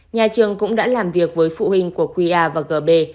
nhà trường cũng đã làm việc với phụ huynh của qr và gb